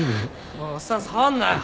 おいおっさん触んなよ。